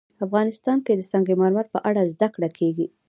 افغانستان کې د سنگ مرمر په اړه زده کړه کېږي.